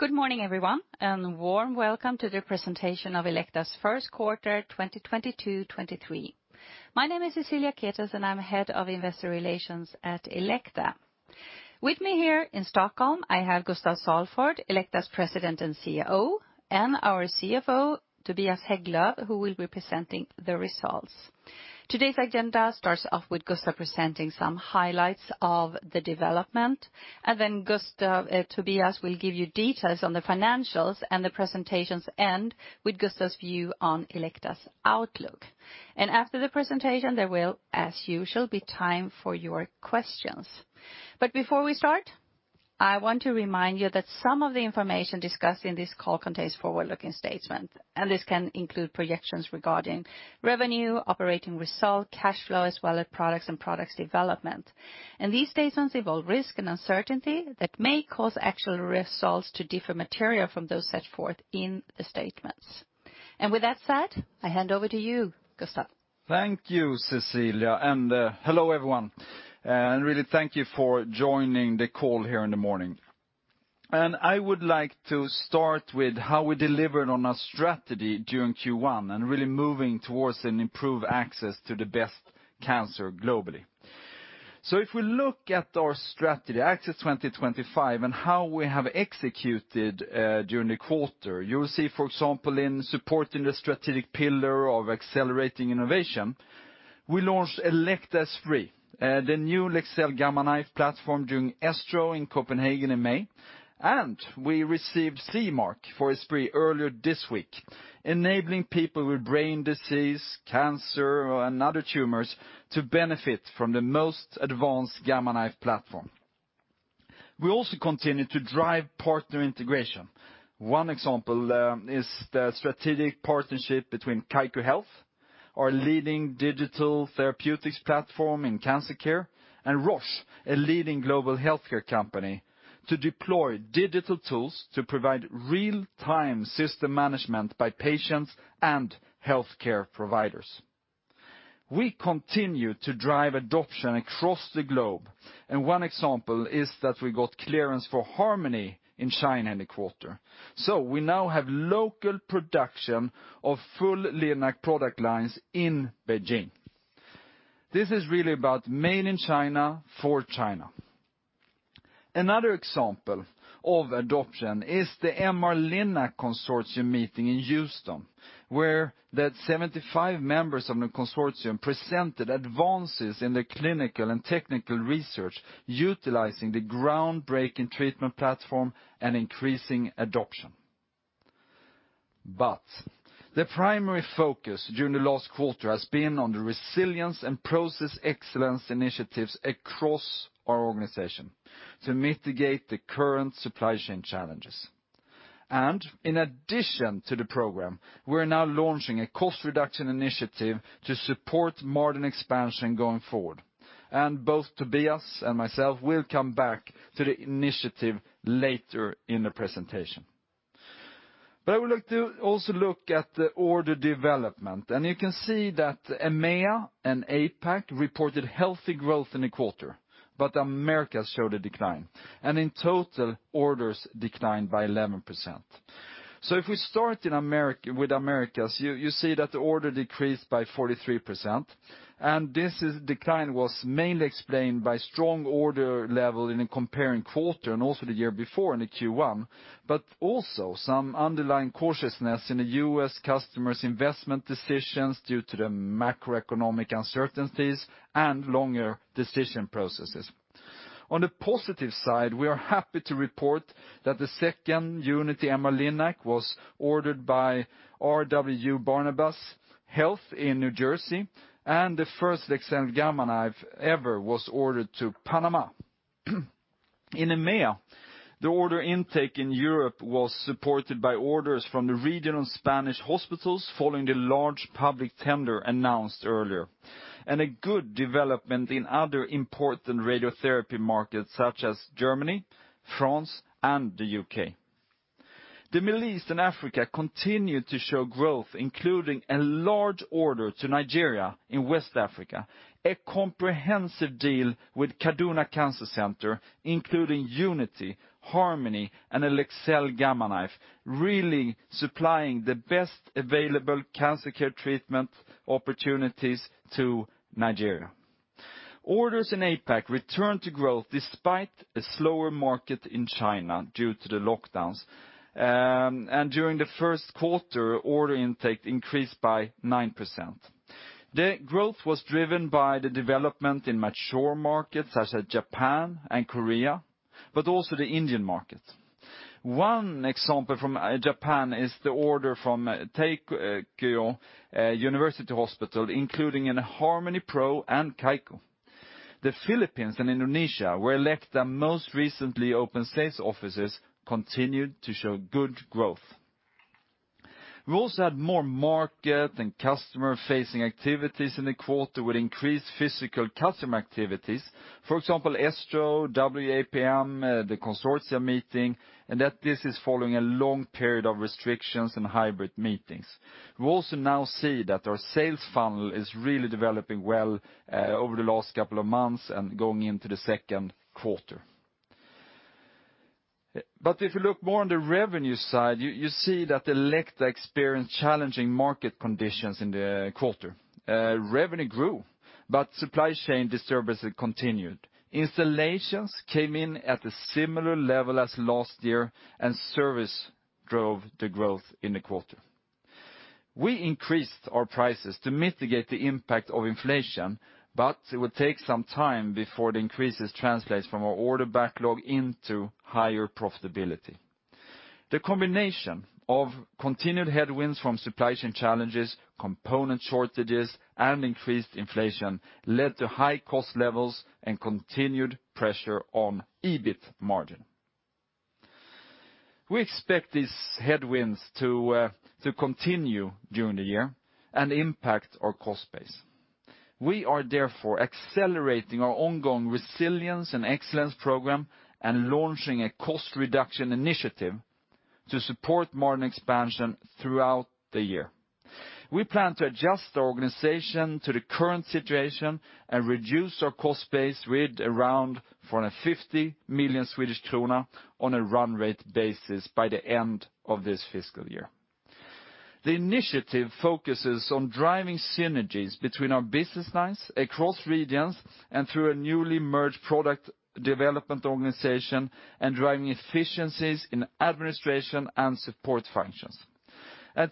Good morning, everyone, and warm welcome to the presentation of Elekta's 1st quarter 2022-2023. My name is Cecilia Ketels, and I'm head of investor relations at Elekta. With me here in Stockholm, I have Gustaf Salford, Elekta's president and CEO, and our CFO, Tobias Hägglöv, who will be presenting the results. Today's agenda starts off with Gustaf presenting some highlights of the development. Gustaf, Tobias will give you details on the financials and the presentation ends with Gustaf's view on Elekta's outlook. After the presentation, there will, as usual, be time for your questions. Before we start, I want to remind you that some of the information discussed in this call contains forward-looking statements, and this can include projections regarding revenue, operating results, cash flow, as well as products and product development. These statements involve risk and uncertainty that may cause actual results to differ materially from those set forth in the statements. With that said, I hand over to you, Gustaf. Thank you, Cecilia. Hello, everyone. Really thank you for joining the call here in the morning. I would like to start with how we delivered on our strategy during Q1 and really moving towards an improved access to the best cancer care globally. If we look at our strategy, Access 2025, and how we have executed during the quarter, you will see, for example, in supporting the strategic pillar of accelerating innovation, we launched Elekta Esprit, the new Leksell Gamma Knife platform during ESTRO in Copenhagen in May. We received CE Mark for Esprit earlier this week, enabling people with brain disease, cancer, and other tumors to benefit from the most advanced Gamma Knife platform. We also continue to drive partner integration. One example is the strategic partnership between Kaiku Health, our leading digital therapeutics platform in cancer care, and Roche, a leading global healthcare company, to deploy digital tools to provide real-time system management by patients and healthcare providers. We continue to drive adoption across the globe, and one example is that we got clearance for Harmony in China in the quarter. We now have local production of full linac product lines in Beijing. This is really about made in China for China. Another example of adoption is the MR-Linac Consortium meeting in Houston, where the 75 members of the consortium presented advances in the clinical and technical research utilizing the groundbreaking treatment platform and increasing adoption. The primary focus during the last quarter has been on the resilience and process excellence initiatives across our organization to mitigate the current supply chain challenges. In addition to the program, we're now launching a cost reduction initiative to support margin expansion going forward. Both Tobias and myself will come back to the initiative later in the presentation. I would like to also look at the order development. You can see that EMEA and APAC reported healthy growth in the quarter, but Americas showed a decline, and in total, orders declined by 11%. If we start with Americas, you see that the order decreased by 43%, and this decline was mainly explained by strong order level in a comparable quarter and also the year before in the Q1. Also some underlying cautiousness in the U.S. Customers' investment decisions due to the macroeconomic uncertainties and longer decision processes. On the positive side, we are happy to report that the second Unity MR-Linac was ordered by RWJBarnabas Health in New Jersey, and the first Leksell Gamma Knife ever was ordered to Panama. In EMEA, the order intake in Europe was supported by orders from the regional Spanish hospitals following the large public tender announced earlier, and a good development in other important radiotherapy markets such as Germany, France, and the U.K. The Middle East and Africa continued to show growth, including a large order to Nigeria in West Africa, a comprehensive deal with Kaduna Cancer Center, including Unity, Harmony, and Leksell Gamma Knife, really supplying the best available cancer care treatment opportunities to Nigeria. Orders in APAC returned to growth despite a slower market in China due to the lockdowns. During the 1st quarter, order intake increased by 9%. The growth was driven by the development in mature markets such as Japan and Korea, but also the Indian market. One example from Japan is the order from Teikyo University Hospital, including a Harmony Pro and Kaiku. The Philippines and Indonesia, where Elekta most recently opened sales offices, continued to show good growth. We also had more market and customer-facing activities in the quarter with increased physical customer activities. For example, ESTRO, AAPM, the consortium meeting, and that this is following a long period of restrictions and hybrid meetings. We also now see that our sales funnel is really developing well, over the last couple of months and going into the second quarter. If you look more on the revenue side, you see that Elekta experienced challenging market conditions in the quarter. Revenue grew, but supply chain disturbances continued. Installations came in at a similar level as last year, and service drove the growth in the quarter. We increased our prices to mitigate the impact of inflation, but it will take some time before the increases translates from our order backlog into higher profitability. The combination of continued headwinds from supply chain challenges, component shortages, and increased inflation led to high cost levels and continued pressure on EBIT margin. We expect these headwinds to continue during the year and impact our cost base. We are therefore accelerating our ongoing Resilience and Excellence Program and launching a cost reduction initiative to support margin expansion throughout the year. We plan to adjust our organization to the current situation and reduce our cost base with around 450 million Swedish krona on a run rate basis by the end of this fiscal year. The initiative focuses on driving synergies between our business lines across regions, and through a newly merged product development organization, and driving efficiencies in administration and support functions.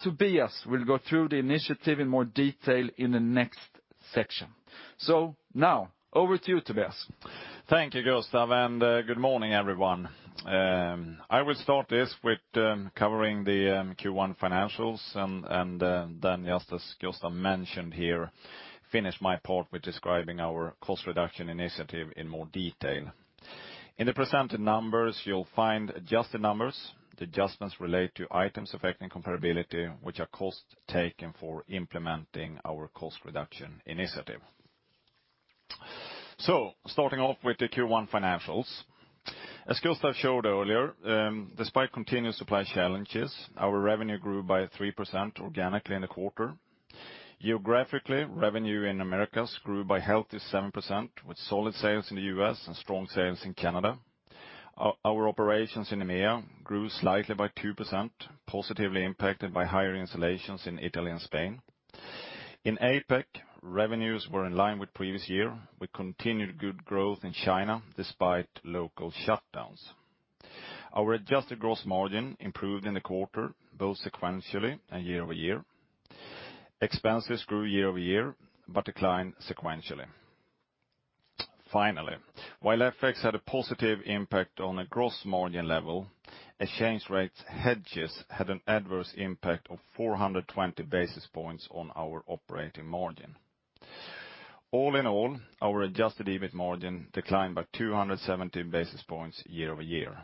Tobias will go through the initiative in more detail in the next section. Now over to you, Tobias. Thank you, Gustaf, and good morning, everyone. I will start this with covering the Q1 financials, and then just as Gustaf mentioned here, finish my part with describing our cost reduction initiative in more detail. In the presented numbers, you'll find adjusted numbers. The adjustments relate to items affecting comparability, which are costs taken for implementing our cost reduction initiative. Starting off with the Q1 financials. As Gustaf showed earlier, despite continued supply challenges, our revenue grew by 3% organically in the quarter. Geographically, revenue in Americas grew by healthy 7% with solid sales in the U.S. and strong sales in Canada. Our operations in EMEA grew slightly by 2%, positively impacted by higher installations in Italy and Spain. In APAC, revenues were in line with previous year, with continued good growth in China despite local shutdowns. Our adjusted gross margin improved in the quarter, both sequentially and year-over-year. Expenses grew year-over-year, but declined sequentially. Finally, while FX had a positive impact on a gross margin level, exchange rates hedges had an adverse impact of 420 basis points on our operating margin. All in all, our adjusted EBIT margin declined by 270 basis points year-over-year.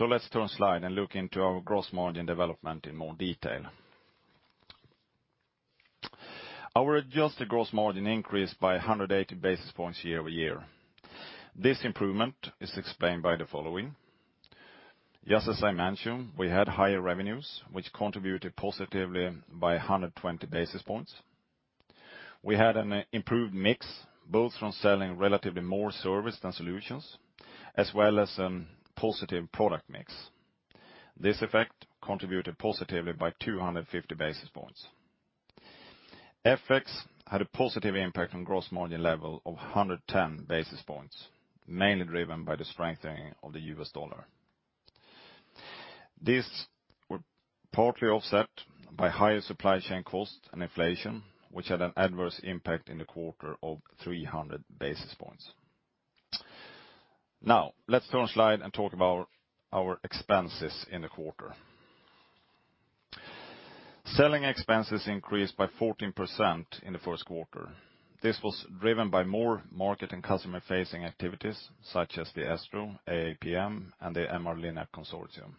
Let's turn to slide and look into our gross margin development in more detail. Our adjusted gross margin increased by 180 basis points year-over-year. This improvement is explained by the following. Just as I mentioned, we had higher revenues, which contributed positively by 120 basis points. We had an improved mix, both from selling relatively more service than solutions, as well as, positive product mix. This effect contributed positively by 250 basis points. FX had a positive impact on gross margin level of 110 basis points, mainly driven by the strengthening of the U.S. dollar. These were partly offset by higher supply chain costs and inflation, which had an adverse impact in the quarter of 300 basis points. Now, let's turn to the slide and talk about our expenses in the quarter. Selling expenses increased by 14% in the 1st quarter. This was driven by more market and customer-facing activities such as the ESTRO, AAPM, and the MR-Linac Consortium,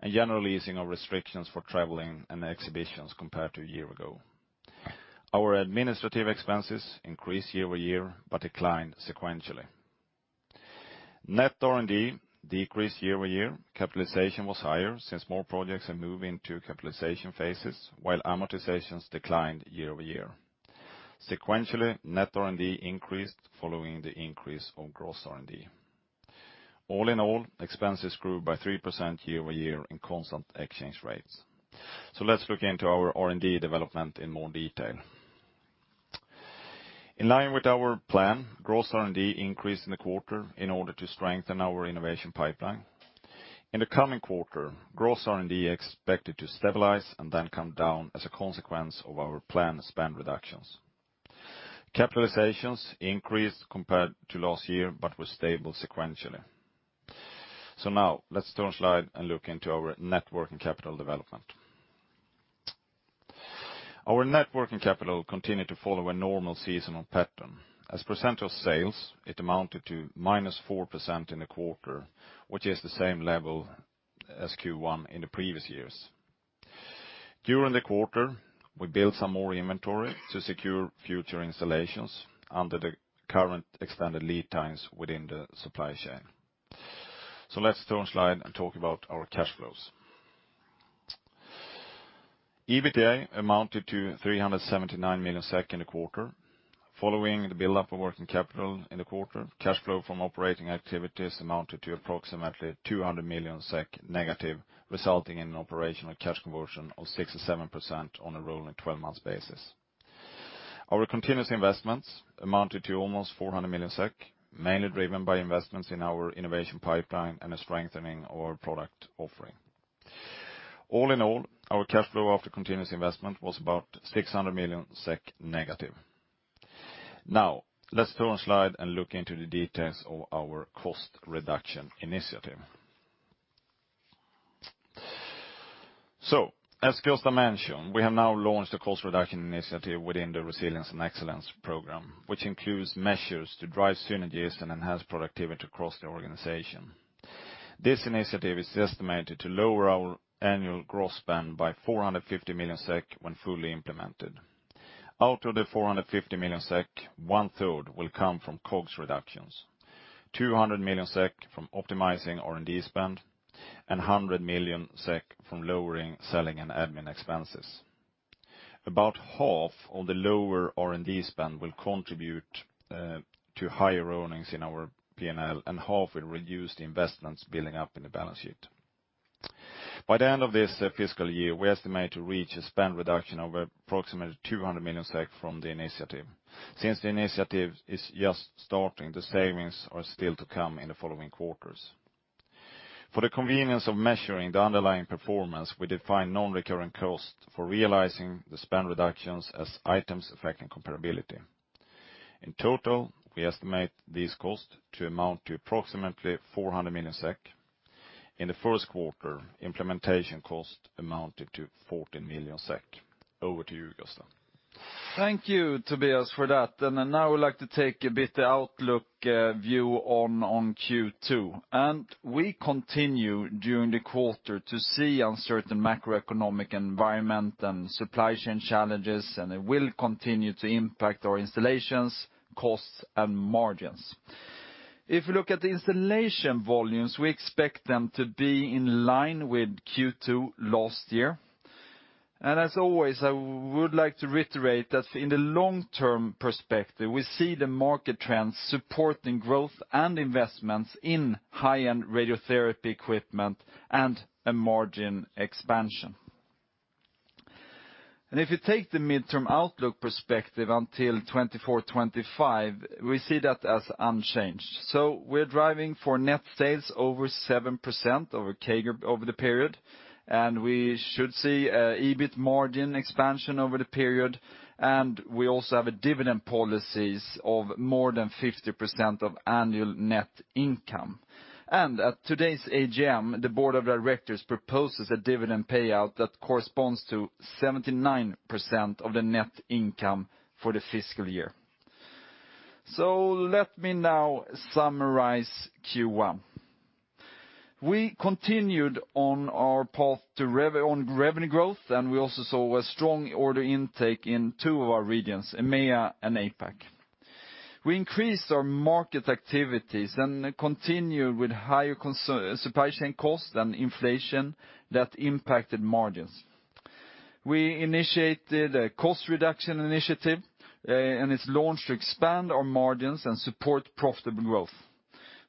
and generally easing of restrictions for traveling and exhibitions compared to a year ago. Our administrative expenses increased year-over-year, but declined sequentially. Net R&D decreased year-over-year. Capitalization was higher since more projects are moving to capitalization phases, while amortizations declined year-over-year. Sequentially, net R&D increased following the increase of gross R&D. All in all, expenses grew by 3% year over year in constant exchange rates. Let's look into our R&D development in more detail. In line with our plan, gross R&D increased in the quarter in order to strengthen our innovation pipeline. In the coming quarter, gross R&D expected to stabilize and then come down as a consequence of our planned spend reductions. Capitalizations increased compared to last year, but were stable sequentially. Now let's turn a slide and look into our net working capital development. Our net working capital continued to follow a normal seasonal pattern. As percent of sales, it amounted to -4% in the quarter, which is the same level as Q1 in the previous years. During the quarter, we built some more inventory to secure future installations under the current extended lead times within the supply chain. Let's turn a slide and talk about our cash flows. EBITDA amounted to 379 million SEK in the quarter. Following the buildup of working capital in the quarter, cash flow from operating activities amounted to approximately negative 200 million SEK, resulting in an operational cash conversion of 67% on a rolling twelve-month basis. Our continuous investments amounted to almost 400 million SEK, mainly driven by investments in our innovation pipeline and a strengthening of our product offering. All in all, our cash flow after continuous investment was about negative 600 million SEK. Now, let's turn a slide and look into the details of our cost reduction initiative. As Gustaf mentioned, we have now launched a cost reduction initiative within the Resilience and Excellence Program, which includes measures to drive synergies and enhance productivity across the organization. This initiative is estimated to lower our annual gross spend by 450 million SEK when fully implemented. Out of the 450 million SEK, one-third will come from COGS reductions, 200 million SEK from optimizing R&D spend, and 100 million SEK from lowering selling and admin expenses. About half of the lower R&D spend will contribute to higher earnings in our P&L, and half will reduce the investments building up in the balance sheet. By the end of this fiscal year, we estimate to reach a spend reduction of approximately 200 million SEK from the initiative. Since the initiative is just starting, the savings are still to come in the following quarters. For the convenience of measuring the underlying performance, we define non-recurring costs for realizing the spend reductions as items affecting comparability. In total, we estimate these costs to amount to approximately 400 million SEK. In the 1st quarter, implementation cost amounted to 14 million SEK. Over to you, Gustaf. Thank you, Tobias, for that. Then now I would like to take a bit the outlook, view on Q2. We continue during the quarter to see uncertain macroeconomic environment and supply chain challenges, and it will continue to impact our installations, costs, and margins. If you look at the installation volumes, we expect them to be in line with Q2 last year. As always, I would like to reiterate that in the long-term perspective, we see the market trends supporting growth and investments in high-end radiotherapy equipment and a margin expansion. If you take the midterm outlook perspective until 2024, 2025, we see that as unchanged. We're driving for net sales over 7% over CAGR over the period, and we should see an EBIT margin expansion over the period. We also have a dividend policies of more than 50% of annual net income. At today's AGM, the board of directors proposes a dividend payout that corresponds to 79% of the net income for the fiscal year. Let me now summarize Q1. We continued on our path to revenue growth, and we also saw a strong order intake in two of our regions, EMEA and APAC. We increased our market activities and continued with higher supply chain costs and inflation that impacted margins. We initiated a cost reduction initiative, and it's launched to expand our margins and support profitable growth.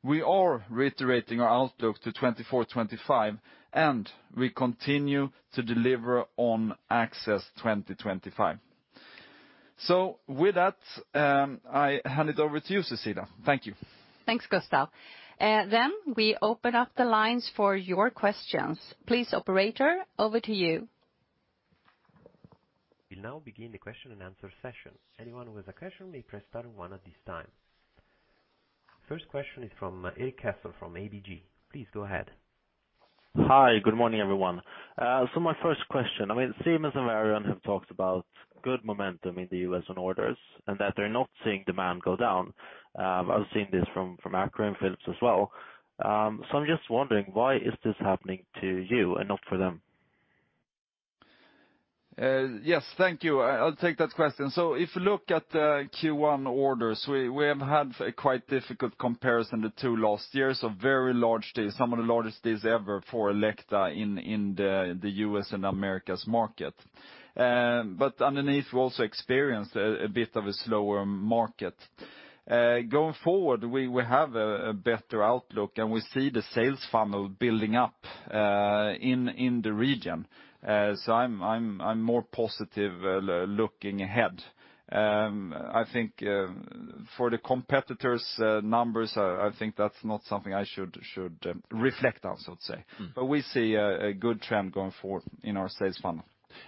We are reiterating our outlook to 2024, 2025, and we continue to deliver on Access 2025. With that, I hand it over to you, Cecilia. Thank you. Thanks, Gustaf. We open up the lines for your questions. Please, operator, over to you. We'll now begin the question and answer session. Anyone who has a question may press star one at this time. First question is from Erik Cassel from ABG. Please go ahead. Hi, good morning, everyone. My first question, I mean, Siemens and Varian have talked about good momentum in the U.S. on orders and that they're not seeing demand go down. I've seen this from Accuray and Philips as well. I'm just wondering, why is this happening to you and not for them? Yes. Thank you. I'll take that question. If you look at Q1 orders, we have had a quite difficult comparison the two last years of very large deals, some of the largest deals ever for Elekta in the U.S. and Americas market. Underneath, we also experienced a bit of a slower market. Going forward, we have a better outlook, and we see the sales funnel building up in the region. I'm more positive looking ahead. I think for the competitors numbers, I think that's not something I should reflect on, so to say. We see a good trend going forward in our sales funnel.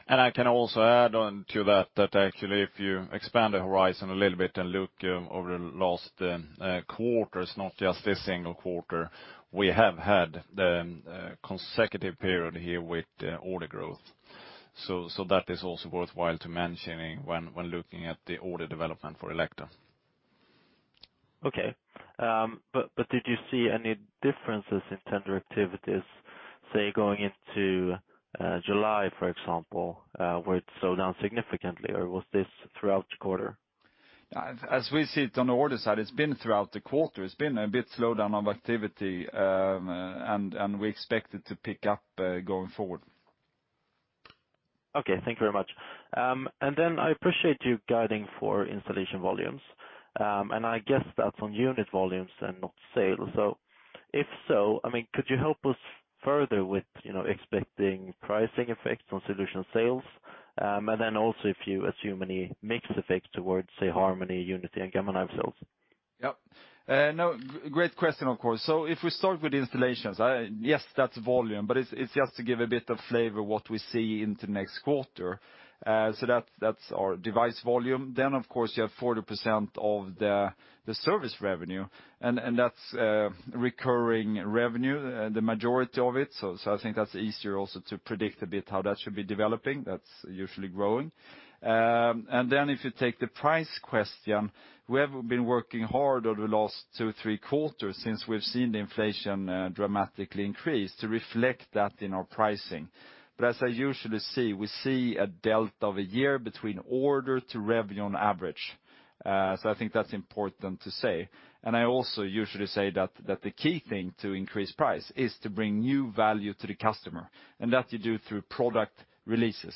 I can also add on to that actually if you expand the horizon a little bit and look over the last quarters, not just this single quarter, we have had the consecutive period here with order growth. So that is also worthwhile to mentioning when looking at the order development for Elekta. Okay. Did you see any differences in tender activities, say, going into July, for example, where it slowed down significantly, or was this throughout the quarter? As we see it on the order side, it's been throughout the quarter, it's been a bit slowdown of activity, and we expect it to pick up going forward. Okay, thank you very much. I appreciate you guiding for installation volumes. I guess that's on unit volumes and not sales. If so, I mean, could you help us further with, you know, expecting pricing effects on solution sales? If you assume any mix effect towards, say, Harmony, Unity, and Gamma Knife sales. Yep. No. Great question, of course. If we start with installations, yes, that's volume, but it's just to give a bit of flavor what we see into next quarter. That's our device volume. Then of course you have 40% of the service revenue, and that's recurring revenue, the majority of it. I think that's easier also to predict a bit how that should be developing. That's usually growing. And then if you take the price question, we have been working hard over the last two, three quarters since we've seen the inflation dramatically increase to reflect that in our pricing. As I usually see, we see a delta of a year between order to revenue on average. I think that's important to say. I also usually say that the key thing to increase price is to bring new value to the customer, and that you do through product releases.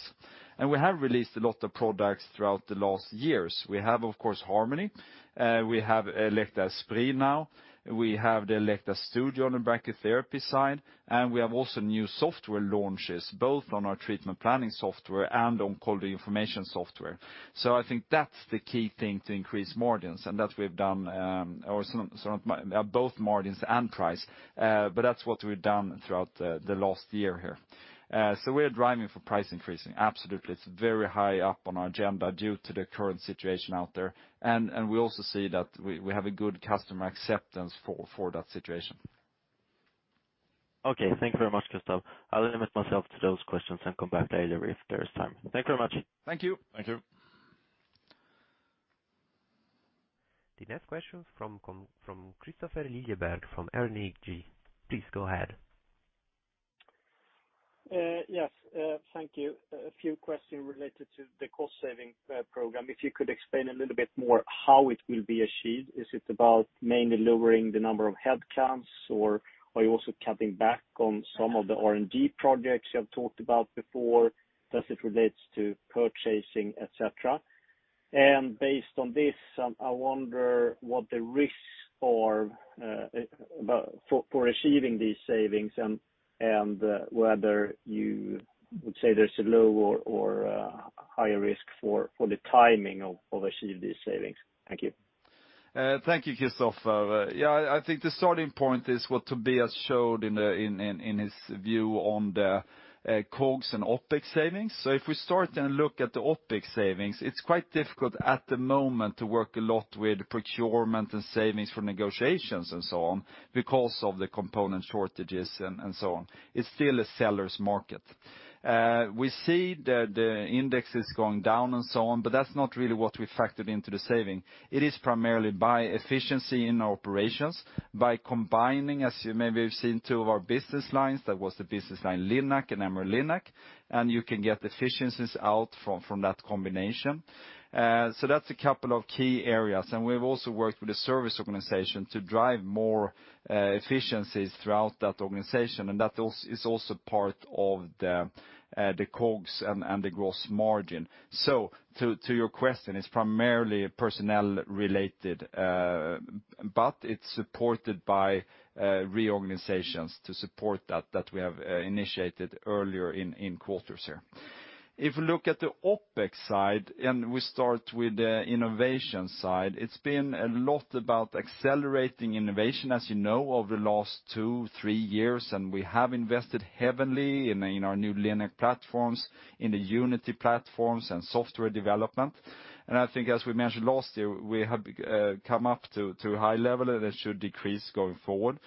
We have released a lot of products throughout the last years. We have, of course, Harmony. We have Elekta Esprit now. We have the Elekta Studio on the brachytherapy side, and we have also new software launches, both on our treatment planning software and on quality information software. I think that's the key thing to increase margins, and that we've done, or both margins and price. That's what we've done throughout the last year here. We are driving for price increasing. Absolutely. It's very high up on our agenda due to the current situation out there. We also see that we have a good customer acceptance for that situation. Okay. Thank you very much, Gustaf. I'll limit myself to those questions and come back later if there is time. Thank you very much. Thank you. Thank you. The next question from Kristoffer Liljeberg from Carnegie. Please go ahead. Yes, thank you. A few questions related to the cost saving program. If you could explain a little bit more how it will be achieved. Is it about mainly lowering the number of headcounts, or are you also cutting back on some of the R&D projects you have talked about before, does it relate to purchasing, et cetera? Based on this, I wonder what the risks are for achieving these savings and whether you would say there's a low or higher risk for the timing of achieving these savings. Thank you. Thank you, Kristoffer. Yeah, I think the starting point is what Tobias showed in his view on the COGS and OpEx savings. If we start and look at the OpEx savings, it's quite difficult at the moment to work a lot with procurement and savings for negotiations and so on because of the component shortages and so on. It's still a seller's market. We see the indexes going down and so on, but that's not really what we factored into the saving. It is primarily by efficiency in our operations, by combining, as you maybe have seen, two of our business lines, that was the business line Linac and MR-Linac, and you can get efficiencies out from that combination. That's a couple of key areas. We've also worked with the service organization to drive more efficiencies throughout that organization, and that is also part of the COGS and the gross margin. To your question, it's primarily personnel related, but it's supported by reorganizations to support that we have initiated earlier in quarters here. If you look at the OpEx side, and we start with the innovation side, it's been a lot about accelerating innovation, as you know, over the last 2, 3 years, and we have invested heavily in our new Linac platforms, in the Unity platforms and software development. I think as we mentioned last year, we have come up to a high level and it should decrease going forward.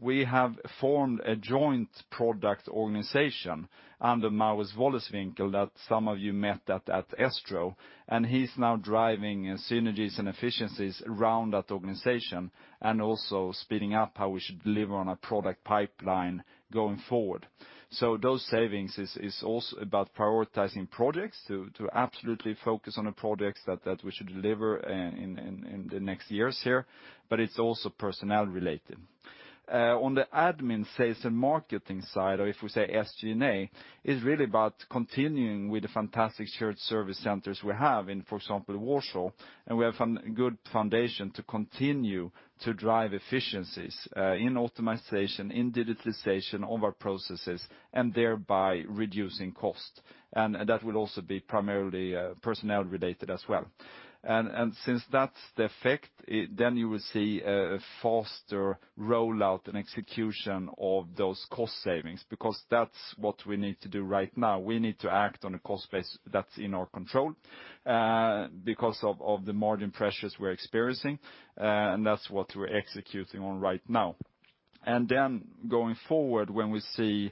We have formed a joint product organization under Maurits Wolleswinkel that some of you met at ESTRO. He's now driving synergies and efficiencies around that organization and also speeding up how we should deliver on a product pipeline going forward. Those savings is also about prioritizing projects to absolutely focus on the projects that we should deliver in the next years here, but it's also personnel related. On the admin sales and marketing side, or if we say SG&A, is really about continuing with the fantastic shared service centers we have in, for example, Warsaw. We have found good foundation to continue to drive efficiencies in optimization, in digitalization of our processes, and thereby reducing cost. That will also be primarily personnel related as well. Since that's the effect, then you will see a faster rollout and execution of those cost savings, because that's what we need to do right now. We need to act on a cost base that's in our control, because of the margin pressures we're experiencing, and that's what we're executing on right now. Then going forward, when we see,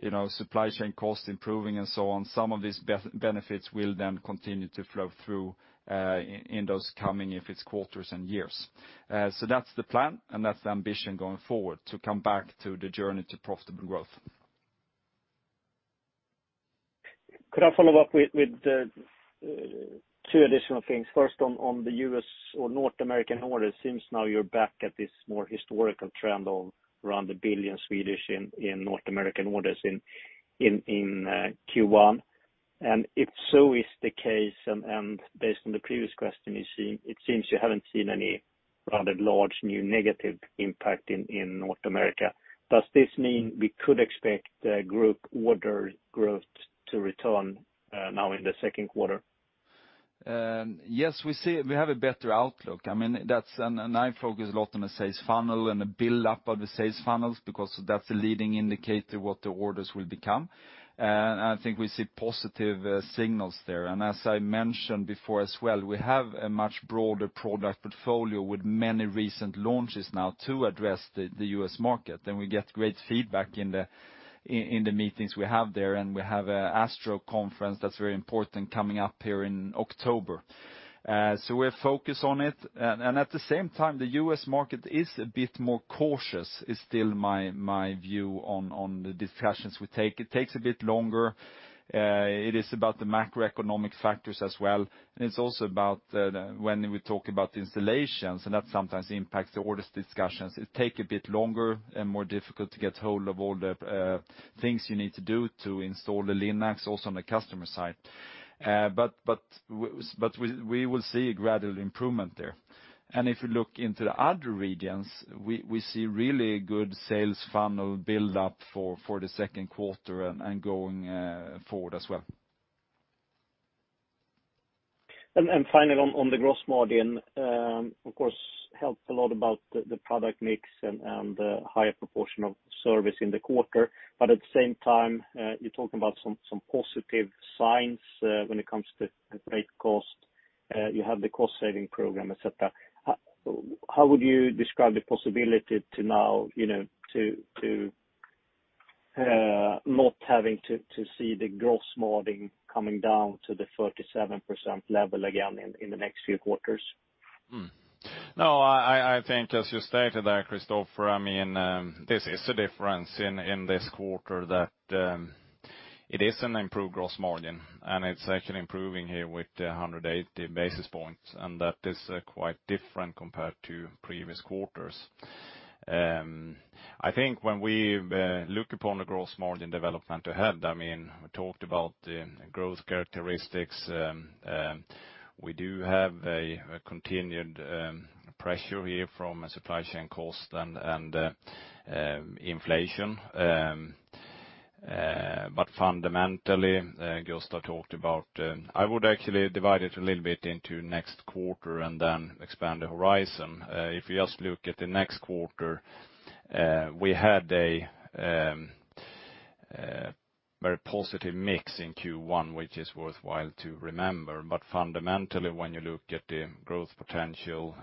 you know, supply chain costs improving and so on, some of these benefits will then continue to flow through, in those coming, if it's quarters and years. So that's the plan and that's the ambition going forward, to come back to the journey to profitable growth. Could I follow up with 2 additional things? First, on the U.S. or North American orders, since now you're back at this more historical trend of around 1 billion SEK in North American orders in Q1. If so is the case, and based on the previous question, you see, it seems you haven't seen any rather large new negative impact in North America. Does this mean we could expect group order growth to return now in the second quarter? Yes, we have a better outlook. I mean, that's. I focus a lot on the sales funnel and the build-up of the sales funnels because that's a leading indicator what the orders will become. I think we see positive signals there. As I mentioned before as well, we have a much broader product portfolio with many recent launches now to address the U.S. market. We get great feedback in the meetings we have there, and we have ASTRO conference that's very important coming up here in October. We're focused on it. At the same time, the U.S. market is a bit more cautious, is still my view on the discussions we take. It takes a bit longer. It is about the macroeconomic factors as well. It's also about when we talk about installations, and that sometimes impacts the orders discussions. It takes a bit longer and more difficult to get hold of all the things you need to do to install the Linacs also on the customer side. But we will see a gradual improvement there. If you look into the other regions, we see really good sales funnel build-up for the second quarter and going forward as well. Finally on the gross margin, of course, helps a lot about the product mix and the higher proportion of service in the quarter. At the same time, you're talking about some positive signs when it comes to the freight cost. You have the cost-saving program, et cetera. How would you describe the possibility to now, you know, to not having to see the gross margin coming down to the 37% level again in the next few quarters? No, I think as you stated there, Kristofer, I mean, this is a difference in this quarter that it is an improved gross margin, and it's actually improving here with the 180 basis points, and that is quite different compared to previous quarters. I think when we look upon the gross margin development ahead, I mean, we talked about the growth characteristics. We do have a continued pressure here from a supply chain cost and inflation. But fundamentally, Gustaf talked about. I would actually divide it a little bit into next quarter and then expand the horizon. If you just look at the next quarter, we had a very positive mix in Q1, which is worthwhile to remember. Fundamentally, when you look at the growth potential,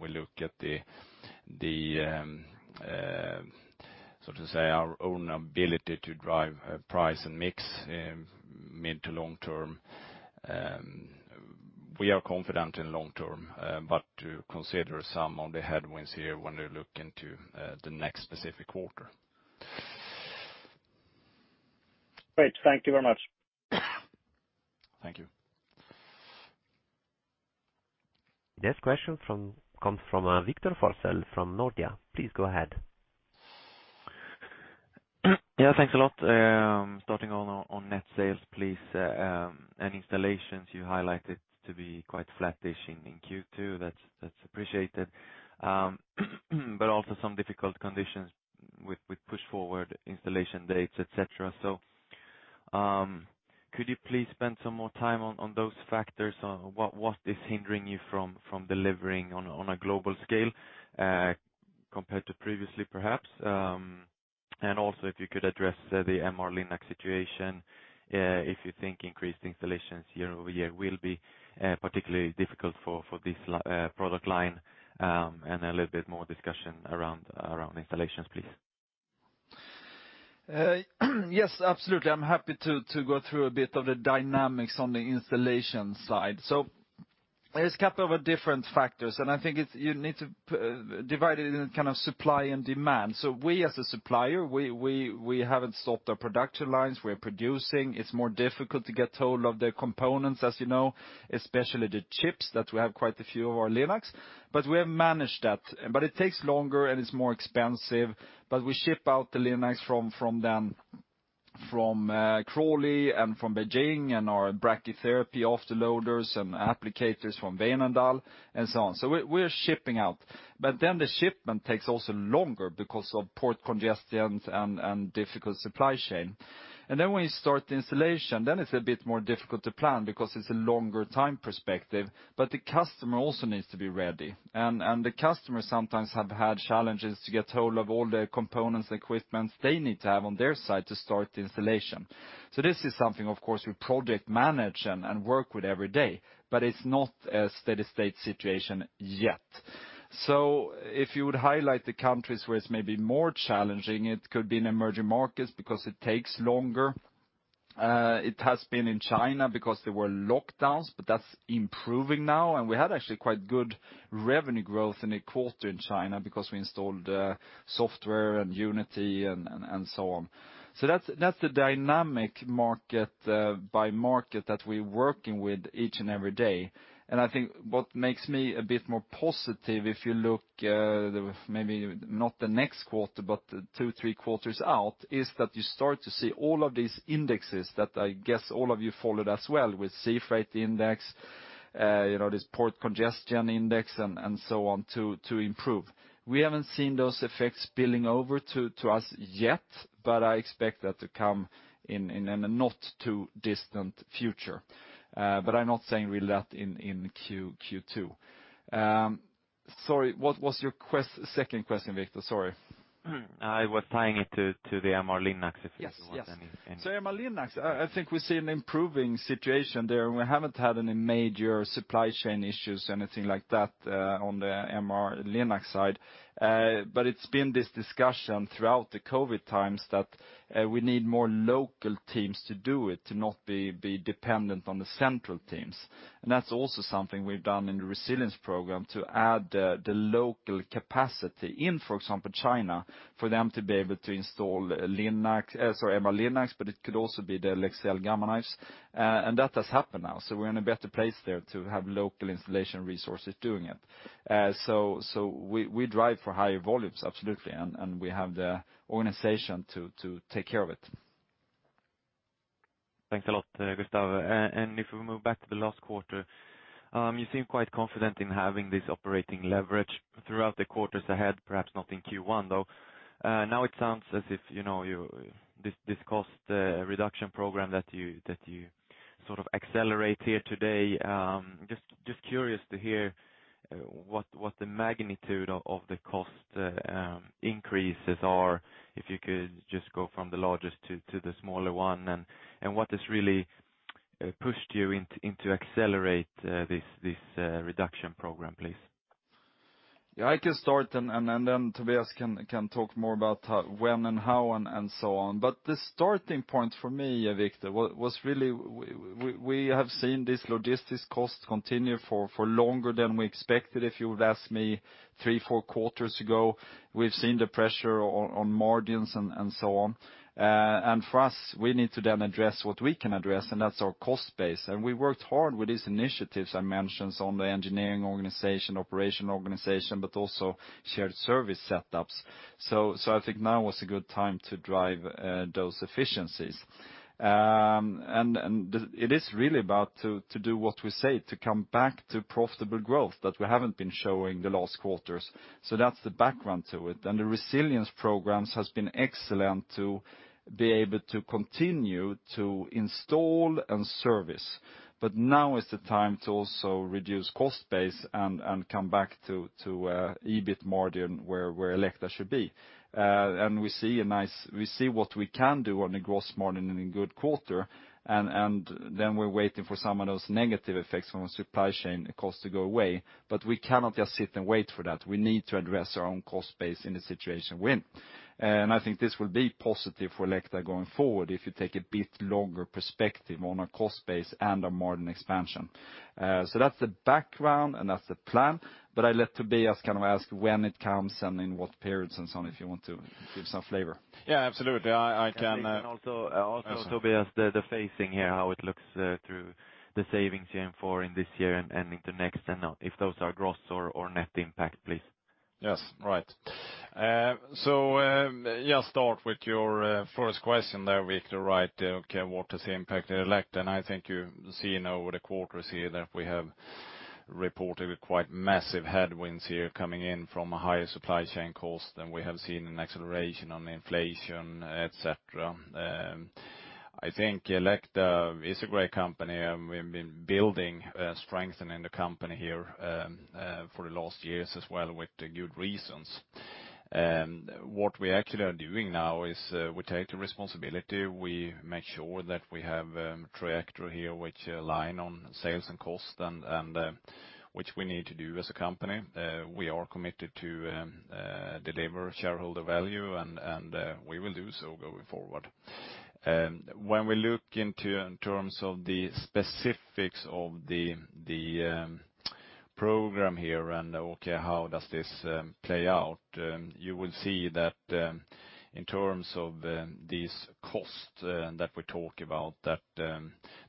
we look at the so to say our own ability to drive price and mix mid to long term. We are confident in long term, but to consider some of the headwinds here when we look into the next specific quarter. Great. Thank you very much. Thank you. Next question comes from Victor Forssell from Nordea. Please go ahead. Yeah, thanks a lot. Starting on net sales, please, and installations you highlighted to be quite flat-ish in Q2. That's appreciated. But also some difficult conditions with push-forward installation dates, et cetera. Could you please spend some more time on those factors? On what is hindering you from delivering on a global scale, compared to previously perhaps? And also if you could address the MR-Linac situation, if you think increased installations year-over-year will be particularly difficult for this product line, and a little bit more discussion around installations, please. Yes, absolutely. I'm happy to go through a bit of the dynamics on the installation side. It's a couple of different factors, and I think you need to divide it into supply and demand. We as a supplier haven't stopped our production lines. We're producing. It's more difficult to get hold of the components, as you know, especially the chips that we have quite a few of our Linacs, but we have managed that. It takes longer, and it's more expensive, but we ship out the Linacs from Crawley and from Beijing and our brachytherapy afterloaders and applicators from Veenendaal and so on. We're shipping out. The shipment takes also longer because of port congestions and difficult supply chain. Then when you start the installation, then it's a bit more difficult to plan because it's a longer time perspective, but the customer also needs to be ready. The customers sometimes have had challenges to get hold of all the components, equipments they need to have on their side to start the installation. This is something of course we project manage and work with every day, but it's not a steady state situation yet. If you would highlight the countries where it's maybe more challenging, it could be in emerging markets because it takes longer. It has been in China because there were lockdowns, but that's improving now. We had actually quite good revenue growth in a quarter in China because we installed software and Unity and so on. That's the dynamic market by market that we're working with each and every day. I think what makes me a bit more positive, if you look, maybe not the next quarter, but 2, 3 quarters out, is that you start to see all of these indexes that I guess all of you followed as well, with sea freight index, you know, this port congestion index, and so on to improve. We haven't seen those effects spilling over to us yet, but I expect that to come in a not too distant future. I'm not saying really that in Q2. Sorry, what was your second question, Victor? Sorry. I was tying it to the MR-Linacs if you want anything. MR-Linacs, I think we see an improving situation there, and we haven't had any major supply chain issues, anything like that, on the MR-Linac side. It's been this discussion throughout the COVID times that we need more local teams to do it, to not be dependent on the central teams. That's also something we've done in the Resilience Program to add the local capacity in, for example, China, for them to be able to install Linacs, sorry, MR-Linacs, but it could also be the Leksell Gamma Knives. That has happened now. We're in a better place there to have local installation resources doing it. We drive for higher volumes, absolutely, and we have the organization to take care of it. Thanks a lot, Gustaf Salford. If we move back to the last quarter, you seem quite confident in having this operating leverage throughout the quarters ahead, perhaps not in Q1, though. Now it sounds as if, you know, this cost reduction program that you sort of accelerate here today, just curious to hear what the magnitude of the cost increases are, if you could just go from the largest to the smaller one, and what has really pushed you into accelerate this reduction program, please. Yeah, I can start and then Tobias can talk more about when and how and so on. The starting point for me, Victor, was really we have seen this logistics cost continue for longer than we expected, if you would ask me three, four quarters ago. We've seen the pressure on margins and so on. For us, we need to then address what we can address, and that's our cost base. We worked hard with these initiatives I mentioned on the engineering organization, operational organization, but also shared service setups. I think now was a good time to drive those efficiencies. It is really about to do what we say, to come back to profitable growth that we haven't been showing the last quarters. That's the background to it. The resilience programs has been excellent to be able to continue to install and service. Now is the time to also reduce cost base and come back to EBIT margin where Elekta should be. We see what we can do on the gross margin in a good quarter, and then we're waiting for some of those negative effects from supply chain costs to go away. We cannot just sit and wait for that. We need to address our own cost base in the situation we're in. I think this will be positive for Elekta going forward, if you take a bit longer perspective on our cost base and our margin expansion. That's the background and that's the plan. I let Tobias kind of ask when it comes and in what periods and so on, if you want to give some flavor. Yeah, absolutely. I can. Maybe can also, Tobias, the phasing here, how it looks through the savings you aim for in this year and into next, and if those are gross or net impact, please. Yes. Right. Start with your first question there, Victor, right? Okay, what is the impact at Elekta? I think you're seeing over the quarters here that we have reported quite massive headwinds here coming in from a higher supply chain cost than we have seen, an acceleration on inflation, et cetera. I think Elekta is a great company, and we've been building strength in the company here for the last years as well with good reasons. What we actually are doing now is we take the responsibility. We make sure that we have trajectory here which align on sales and cost and which we need to do as a company. We are committed to deliver shareholder value and we will do so going forward. When we look into in terms of the specifics of the program here and okay, how does this play out, you will see that in terms of these costs that we talk about, that the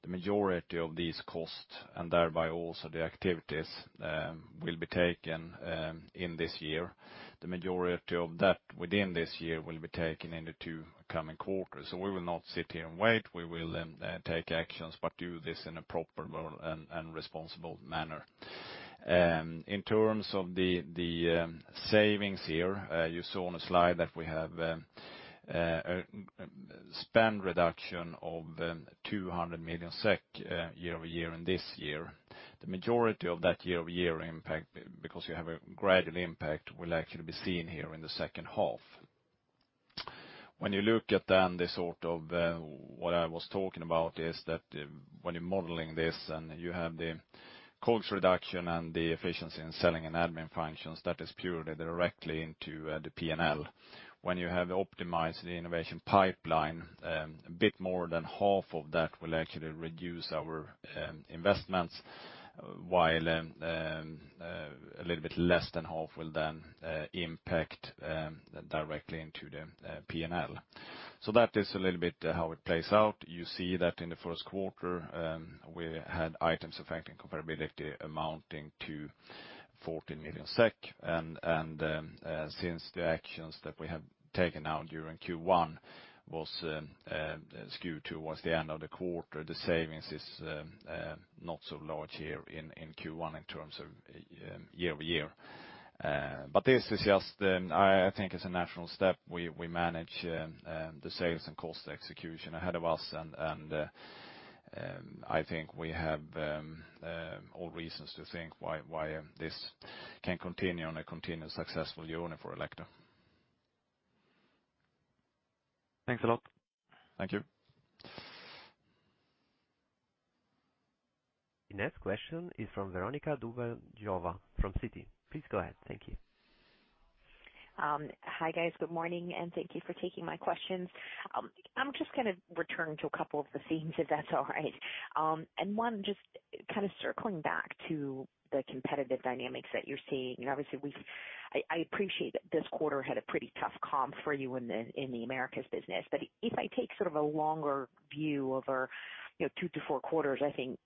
majority of these costs, and thereby also the activities, will be taken in this year. The majority of that within this year will be taken in the two coming quarters. We will not sit here and wait. We will take actions, but do this in a proper and responsible manner. In terms of the savings here, you saw on the slide that we have spending reduction of 200 million SEK year-over-year in this year. The majority of that year-over-year impact, because you have a gradual impact, will actually be seen here in the second half. When you look at then the sort of what I was talking about is that when you're modeling this and you have the cost reduction and the efficiency in selling and admin functions, that is purely directly into the P&L. When you have optimized the innovation pipeline, a bit more than half of that will actually reduce our investments while a little bit less than half will then impact directly into the P&L. That is a little bit how it plays out. You see that in the 1st quarter we had items affecting comparability amounting to 40 million SEK. Since the actions that we have taken now during Q1 was skewed towards the end of the quarter, the savings is not so large here in Q1 in terms of year-over-year. This is just a natural step. We manage the sales and cost execution ahead of us, and I think we have all reasons to think why this can continue on a continued successful journey for Elekta. Thanks a lot. Thank you. The next question is from Veronika Dubajova from Citi. Please go ahead. Thank you. Hi, guys. Good morning, and thank you for taking my questions. I'm just gonna return to a couple of the themes, if that's all right. One, just kinda circling back to the competitive dynamics that you're seeing. Obviously, I appreciate that this quarter had a pretty tough comp for you in the Americas business. If I take sort of a longer view over, you know, two to four quarters, I think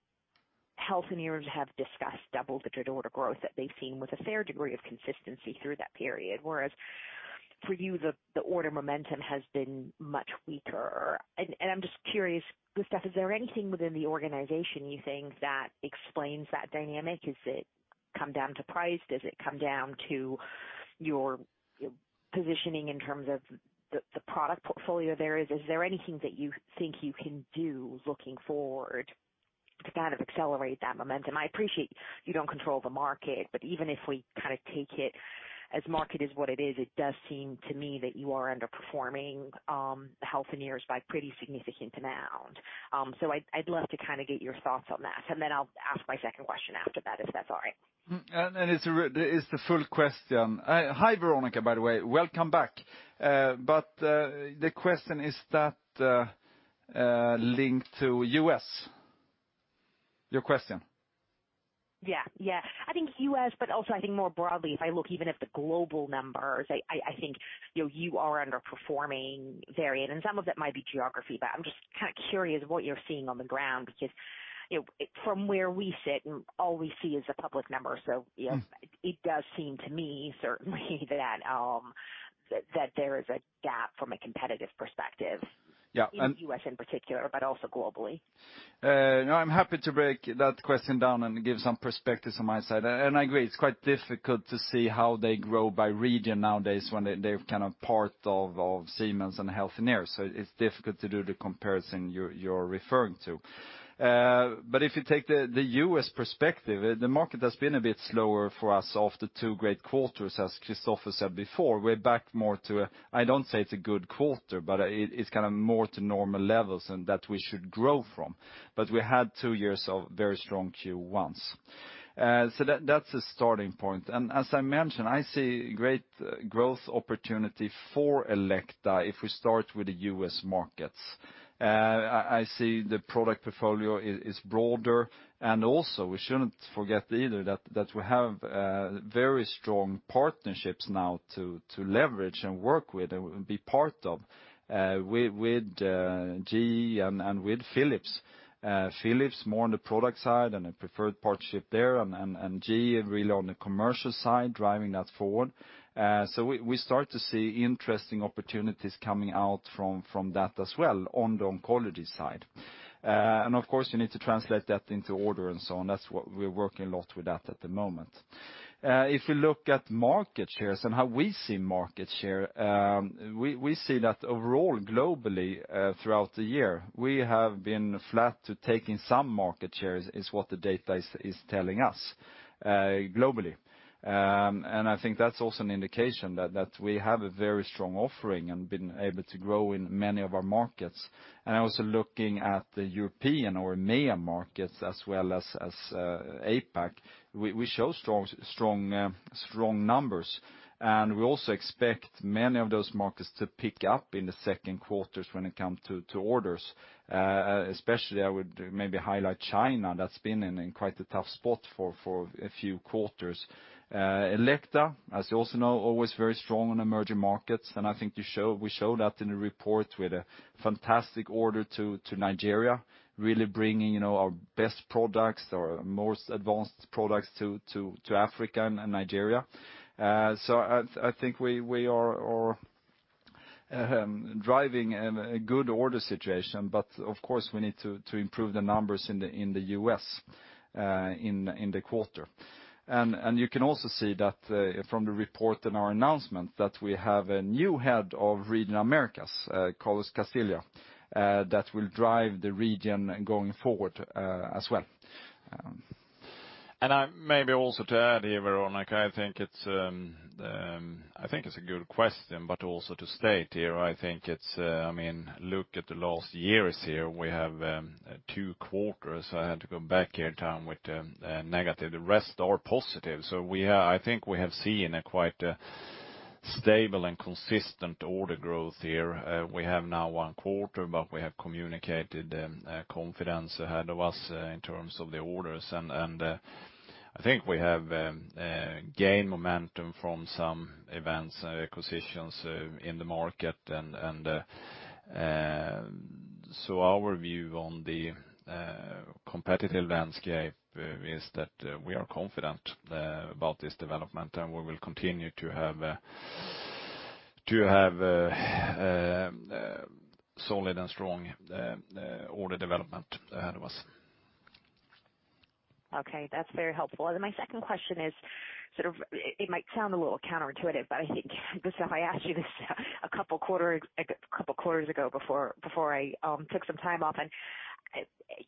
Siemens Healthineers have discussed double-digit order growth that they've seen with a fair degree of consistency through that period. Whereas for you, the order momentum has been much weaker. I'm just curious, Gustaf, is there anything within the organization you think that explains that dynamic? Does it come down to price? Does it come down to your positioning in terms of the product portfolio there is? Is there anything that you think you can do looking forward to kind of accelerate that momentum? I appreciate you don't control the market, but even if we kinda take it as market is what it is, it does seem to me that you are underperforming Healthineers by a pretty significant amount. I'd love to kinda get your thoughts on that, and then I'll ask my second question after that, if that's all right. Is the full question? Hi, Veronika, by the way. Welcome back. The question, is that linked to U.S., your question? Yeah. I think U.S., but also I think more broadly, if I look even at the global numbers, I think, you know, you are underperforming there. Some of it might be geography, but I'm just kinda curious what you're seeing on the ground, because, you know, from where we sit and all we see is the public numbers. You know, it does seem to me certainly that there is a gap from a competitive perspective. Yeah. In U.S. in particular, but also globally. No, I'm happy to break that question down and give some perspectives on my side. I agree, it's quite difficult to see how they grow by region nowadays when they're kind of part of Siemens Healthineers, so it's difficult to do the comparison you're referring to. If you take the U.S. perspective, the market has been a bit slower for us after two great quarters, as Kristofer said before. We're back more to a, I don't say it's a good quarter, but, it's kinda more to normal levels and that we should grow from. We had two years of very strong Q1s. That's a starting point. As I mentioned, I see great growth opportunity for Elekta if we start with the U.S. markets. I see the product portfolio is broader, and also we shouldn't forget either that we have very strong partnerships now to leverage and work with and be part of with GE and with Philips. Philips more on the product side and a preferred partnership there, and GE really on the commercial side, driving that forward. We start to see interesting opportunities coming out from that as well on the oncology side. Of course, you need to translate that into order and so on. That's what we're working a lot with that at the moment. If you look at market shares and how we see market share, we see that overall globally, throughout the year, we have been flat to taking some market shares, is what the data is telling us, globally. I think that's also an indication that we have a very strong offering and been able to grow in many of our markets. Also looking at the European or MEA markets as well as APAC, we show strong numbers. We also expect many of those markets to pick up in the second quarters when it comes to orders. Especially I would maybe highlight China, that's been in quite a tough spot for a few quarters. Elekta, as you also know, always very strong on emerging markets, and I think we show that in the report with a fantastic order to Nigeria, really bringing, you know, our best products, our most advanced products to Africa and Nigeria. I think we are driving a good order situation, but of course, we need to improve the numbers in the U.S. in the quarter. You can also see that from the report in our announcement that we have a new head of Region Americas, Carlos Castilleja, that will drive the region going forward, as well. I maybe also to add here, Veronika, I think it's a good question, but also to state here, I think it's I mean look at the last years here, we have 2 quarters. I had to go back here in time with negative, the rest are positive. I think we have seen a quite stable and consistent order growth here. We have now one quarter, but we have communicated confidence ahead of us in terms of the orders. I think we have gained momentum from some events, acquisitions in the market. Our view on the competitive landscape is that we are confident about this development, and we will continue to have solid and strong order development ahead of us. Okay, that's very helpful. My second question is sort of it might sound a little counterintuitive, but I think Gustaf, I asked you this a couple quarters ago before I took some time off.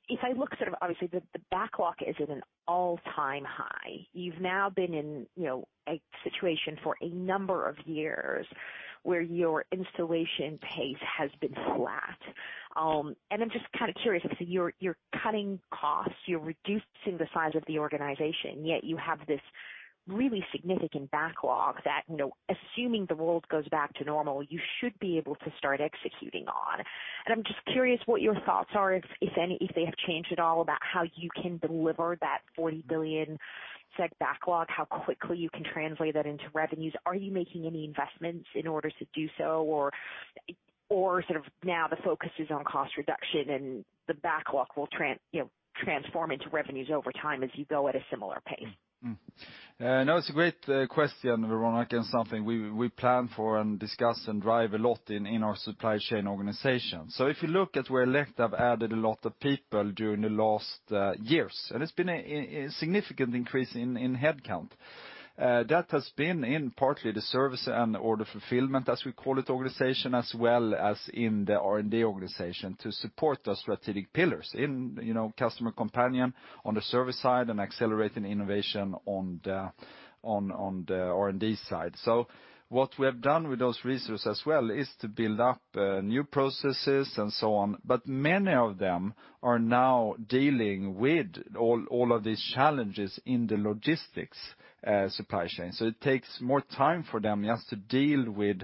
If I look sort of obviously the backlog is at an all-time high. You've now been in, you know, a situation for a number of years where your installation pace has been flat. I'm just kind of curious, because you're cutting costs, you're reducing the size of the organization, yet you have this really significant backlog that, you know, assuming the world goes back to normal, you should be able to start executing on. I'm just curious what your thoughts are, if any, if they have changed at all about how you can deliver that 40 billion backlog, how quickly you can translate that into revenues. Are you making any investments in order to do so? Or, sort of now the focus is on cost reduction and the backlog will, you know, transform into revenues over time as you go at a similar pace? No, it's a great question, Veronica, and something we plan for and discuss and drive a lot in our supply chain organization. If you look at where Elekta have added a lot of people during the last years, and it's been a significant increase in headcount. That has been in partly the service and order fulfillment, as we call it, organization, as well as in the R&D organization to support those strategic pillars in, you know, customer companion on the service side and accelerating innovation on the R&D side. What we have done with those resources as well is to build up new processes and so on, but many of them are now dealing with all of these challenges in the logistics supply chain. It takes more time for them just to deal with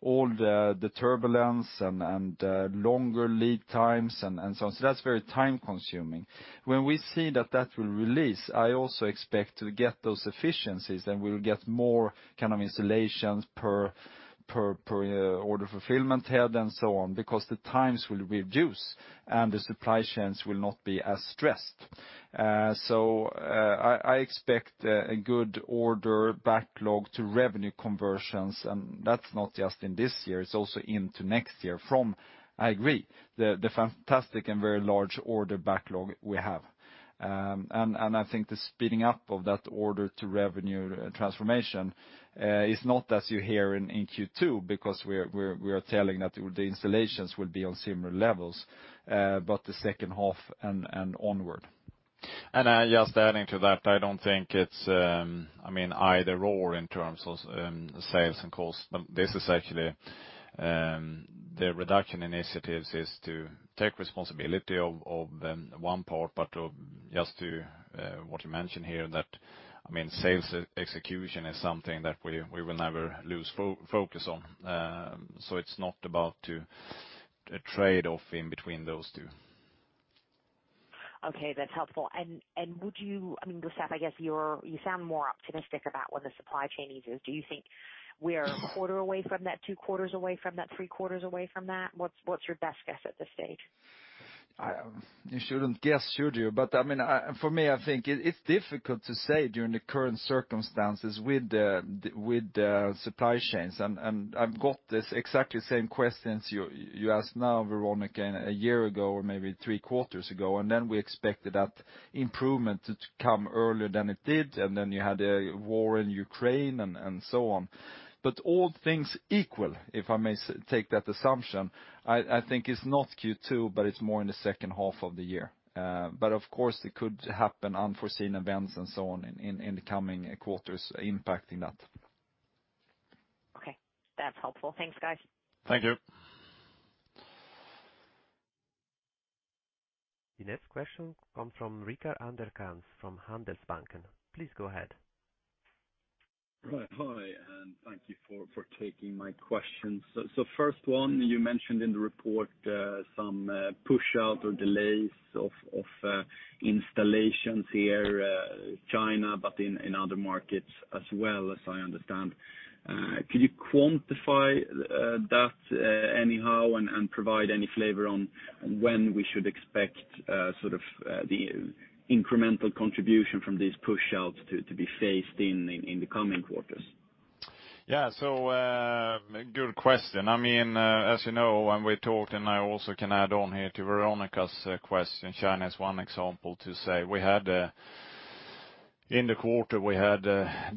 all the turbulence and longer lead times and so on. That's very time-consuming. When we see that will release, I also expect to get those efficiencies, then we'll get more kind of installations per order fulfillment head and so on, because the times will reduce and the supply chains will not be as stressed. I expect a good order backlog to revenue conversions, and that's not just in this year, it's also into next year from, I agree, the fantastic and very large order backlog we have. I think the speeding up of that order to revenue transformation is not as you hear in Q2, because we are telling that the installations will be on similar levels, but the second half and onward. Just adding to that, I don't think it's I mean, either or in terms of sales and cost. This is actually the reduction initiatives is to take responsibility of one part, but just to what you mentioned here, that I mean, sales execution is something that we will never lose focus on. It's not about to trade off in between those two. Okay, that's helpful. I mean, Gustaf, I guess you sound more optimistic about when the supply chain eases. Do you think we are a quarter away from that, 2 quarters away from that, three quarters away from that? What's your best guess at this stage? You shouldn't guess, should you? I mean, for me, I think it's difficult to say during the current circumstances with the supply chains. I've got this exactly the same questions you asked now, Veronica, a year ago or maybe three quarters ago, and then we expected that improvement to come earlier than it did, and then you had a war in Ukraine and so on. All things equal, if I may take that assumption, I think it's not Q2, but it's more in the second half of the year. Of course it could happen unforeseen events and so on in the coming quarters impacting that. Okay, that's helpful. Thanks, guys. Thank you. The next question comes from Rickard Anderkrans from Handelsbanken. Please go ahead. Right. Hi, thank you for taking my questions. First one, you mentioned in the report some push out or delays of installations in China, but in other markets as well as I understand. Could you quantify that anyhow and provide any flavor on when we should expect sort of the incremental contribution from these push outs to be phased in in the coming quarters? Yeah. Good question. I mean, as you know, when we talked, and I also can add on here to Veronika's question, China is one example to say we had a. In the quarter, we had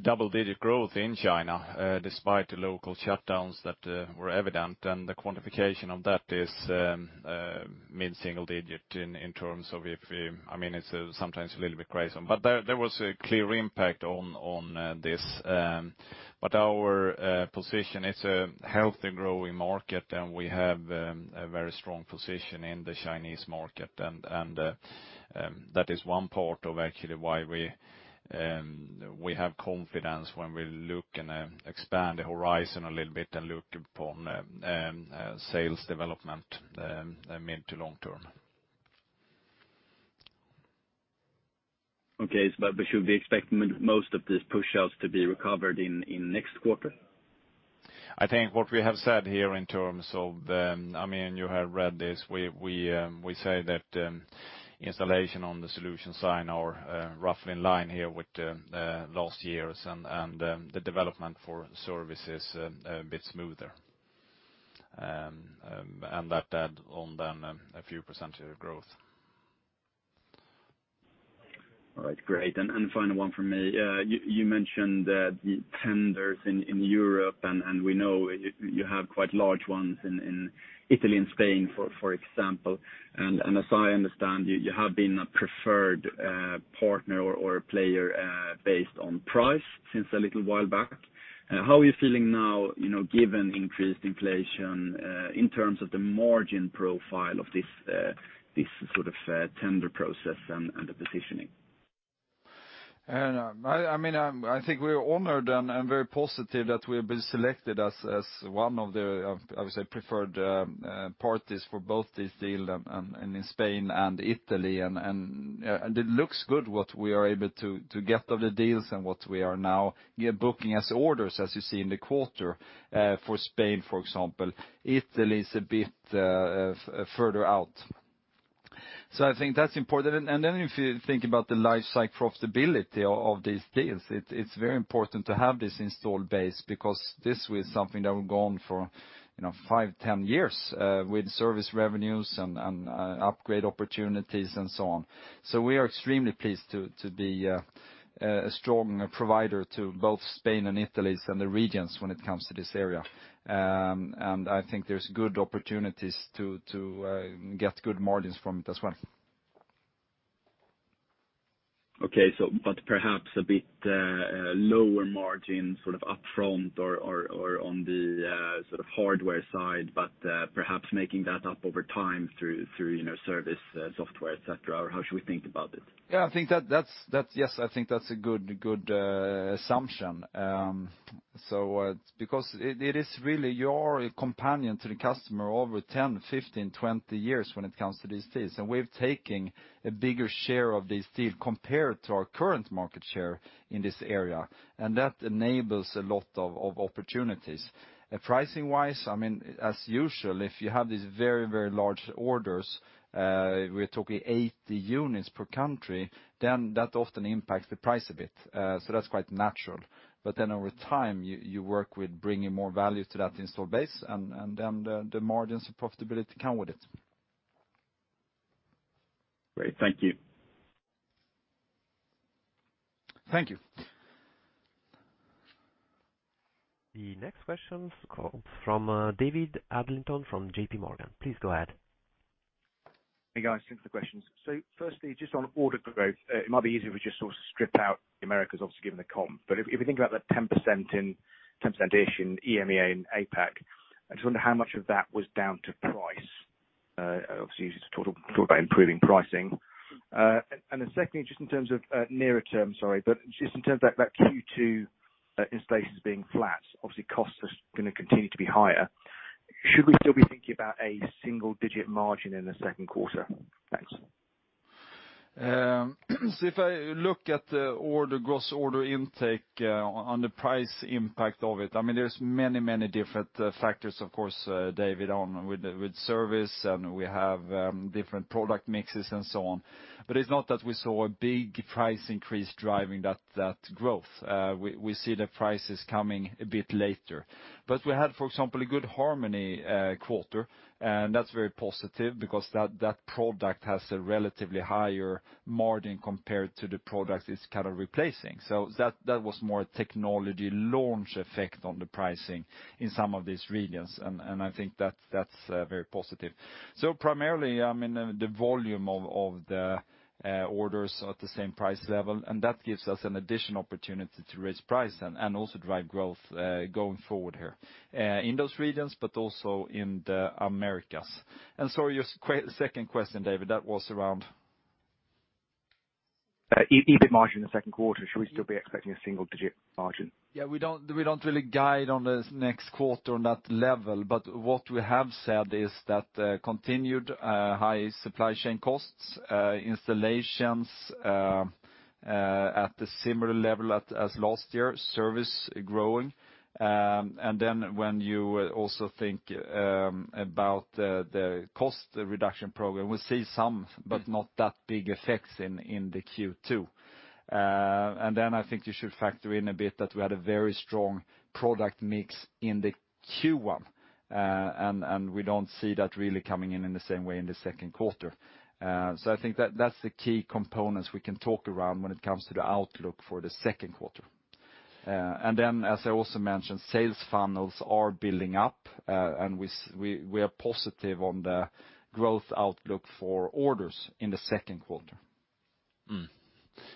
double-digit growth in China despite the local shutdowns that were evident. The quantification of that is mid-single-digit. I mean it's sometimes a little bit crazy. There was a clear impact on this, but our position, it's a healthy growing market, and we have a very strong position in the Chinese market. That is one part of actually why we have confidence when we look and expand the horizon a little bit and look upon sales development mid- to long-term. Okay. We should be expecting most of these push outs to be recovered in next quarter? I think what we have said here in terms of, I mean, you have read this. We say that installation on the solution side are roughly in line here with last year's and the development for service is a bit smoother. That add on then a few percentage of growth. All right, great. Final one from me. You mentioned that the tenders in Europe, and we know you have quite large ones in Italy and Spain, for example. As I understand, you have been a preferred partner or player based on price since a little while back. How are you feeling now, you know, given increased inflation, in terms of the margin profile of this sort of tender process and the positioning? I mean, I think we're honored and very positive that we've been selected as one of the, I would say, preferred parties for both this deal and in Spain and Italy. It looks good what we are able to get of the deals and what we are now booking as orders, as you see in the quarter, for Spain, for example. Italy is a bit further out. I think that's important. Then if you think about the life cycle profitability of these deals, it's very important to have this installed base because this way is something that will go on for, you know, 5, 10 years, with service revenues and upgrade opportunities and so on. We are extremely pleased to be a strong provider to both Spain and Italy's, and the regions when it comes to this area. I think there's good opportunities to get good margins from it as well. Okay. Perhaps a bit lower margin sort of upfront or on the sort of hardware side, but perhaps making that up over time through you know service, software, et cetera, or how should we think about it? Yes, I think that's a good assumption. Because it is really your companion to the customer over 10, 15, 20 years when it comes to these deals. We're taking a bigger share of this deal compared to our current market share in this area, and that enables a lot of opportunities. Pricing-wise, I mean, as usual, if you have these very large orders, we're talking 80 units per country, then that often impacts the price a bit, so that's quite natural. Over time, you work with bringing more value to that installed base, and then the margins and profitability come with it. Great. Thank you. Thank you. The next question is from David Adlington from JPMorgan. Please go ahead. Hey, guys. Two questions. Firstly, just on order growth, it might be easier if we just sort of strip out the Americas, obviously given the comp. But if you think about that 10% in, 10%-ish in EMEA and APAC, I just wonder how much of that was down to price. Obviously you just talked about improving pricing. And then secondly, just in terms of nearer term, sorry, but just in terms of that Q2 installations being flat, obviously costs are gonna continue to be higher. Should we still be thinking about a single-digit margin in the second quarter? Thanks. If I look at the order gross order intake on the price impact of it, I mean, there's many different factors, of course, David, along with service, and we have different product mixes and so on. It's not that we saw a big price increase driving that growth. We see the prices coming a bit later. We had, for example, a good Harmony quarter, and that's very positive because that product has a relatively higher margin compared to the product it's kind of replacing. So that was more a technology launch effect on the pricing in some of these regions, and I think that's very positive. Primarily, I mean, the volume of the orders are at the same price level, and that gives us an additional opportunity to raise price and also drive growth going forward here in those regions, but also in the Americas. Your second question, David, that was around? EBIT margin in the second quarter. Should we still be expecting a single digit margin? Yeah, we don't really guide on the next quarter on that level. What we have said is that continued high supply chain costs, installations at a similar level as last year, service growing. When you also think about the cost reduction program, we'll see some but not that big effects in the Q2. Then I think you should factor in a bit that we had a very strong product mix in the Q1. We don't see that really coming in in the same way in the second quarter. I think that's the key components we can talk around when it comes to the outlook for the second quarter. As I also mentioned, sales funnels are building up, and we are positive on the growth outlook for orders in the second quarter.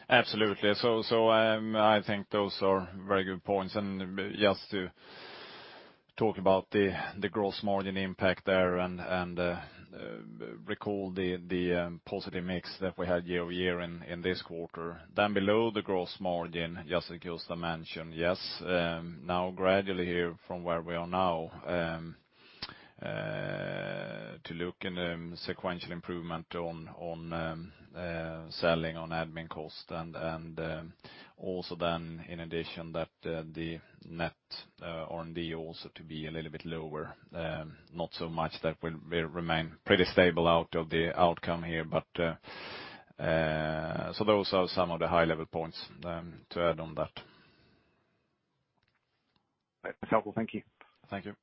Absolutely. So, I think those are very good points. Just to talk about the gross margin impact there and recall the positive mix that we had year-over-year in this quarter. Below the gross margin, just as Gustaf mentioned, yes, now gradually here from where we are now to look at the sequential improvement on SG&A cost and also then in addition, the net R&D also to be a little bit lower. Not so much. We remain pretty stable out of the outcome here but so those are some of the high-level points to add on that. That's helpful. Thank you. Thank you.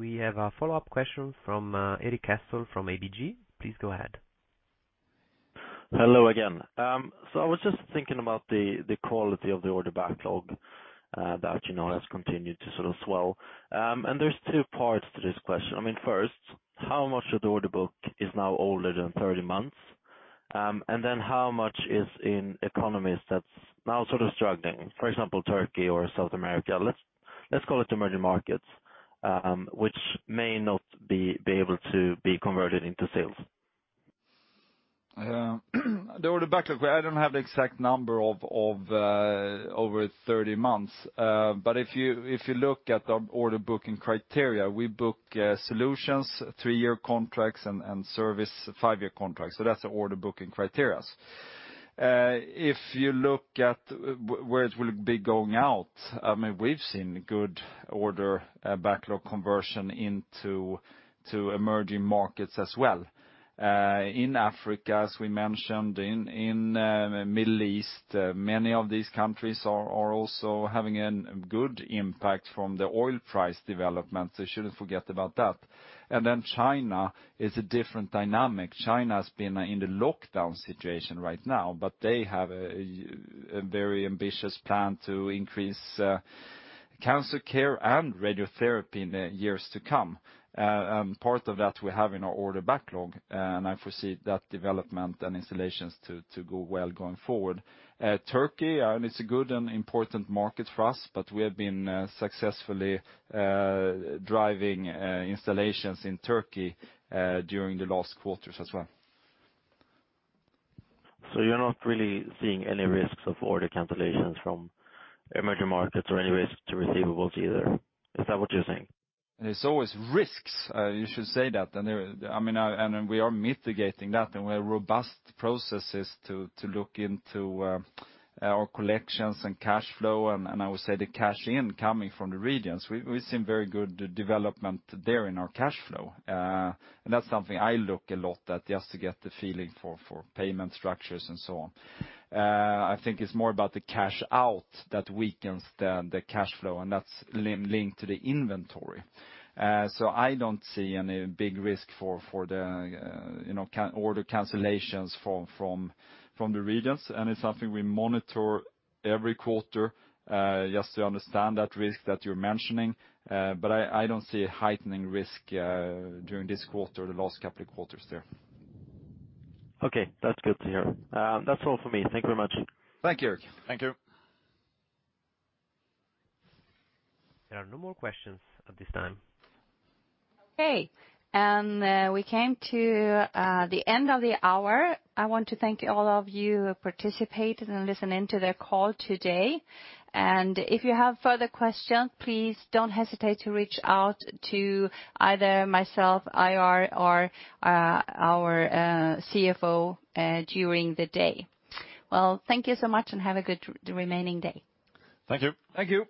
We have a follow-up question from Erik Cassel from ABG. Please go ahead. Hello again. So I was just thinking about the quality of the order backlog, that, you know, has continued to sort of swell. There's two parts to this question. I mean, first, how much of the order book is now older than 30 months? Then how much is in economies that's now sort of struggling, for example, Turkey or South America, let's call it emerging markets, which may not be able to be converted into sales? Yeah. The order backlog, I don't have the exact number of over 30 months. But if you look at the order booking criteria, we book solutions, three-year contracts and service five-year contracts. That's the order booking criteria. If you look at where it will be going out, I mean, we've seen good order backlog conversion into emerging markets as well. In Africa, as we mentioned, in Middle East, many of these countries are also having a good impact from the oil price development, so you shouldn't forget about that. China is a different dynamic. China has been in the lockdown situation right now, but they have a very ambitious plan to increase cancer care and radiotherapy in the years to come. Part of that we have in our order backlog, and I foresee that development and installations to go well going forward. Turkey, it's a good and important market for us, but we have been successfully driving installations in Turkey during the last quarters as well. You're not really seeing any risks of order cancellations from emerging markets or any risk to receivables either? Is that what you're saying? There's always risks, you should say that. We are mitigating that, and we have robust processes to look into our collections and cash flow. I would say the cash incoming from the regions, we've seen very good development there in our cash flow. That's something I look a lot at just to get the feeling for payment structures and so on. I think it's more about the cash out that weakens the cash flow, and that's linked to the inventory. I don't see any big risk for the order cancellations from the regions. It's something we monitor every quarter just to understand that risk that you're mentioning. I don't see a heightening risk during this quarter, the last couple of quarters there. Okay. That's good to hear. That's all for me. Thank you very much. Thank you, Erik. Thank you. There are no more questions at this time. Okay. We came to the end of the hour. I want to thank all of you who participated in listening to the call today. If you have further questions, please don't hesitate to reach out to either myself, IR, or our CFO during the day. Well, thank you so much and have a good remaining day. Thank you. Thank you.